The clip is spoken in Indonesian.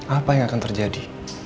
apa yang akan terjadi